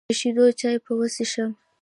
د شیدو چای به وڅښم.